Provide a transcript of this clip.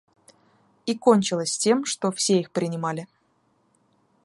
И кончилось тем, что все их принимали.